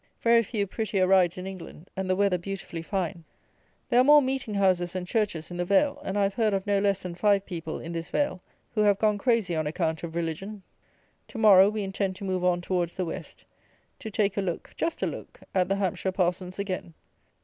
Very few prettier rides in England, and the weather beautifully fine. There are more meeting houses than churches in the vale, and I have heard of no less than five people, in this vale, who have gone crazy on account of religion. To morrow we intend to move on towards the West; to take a look, just a look, at the Hampshire Parsons again.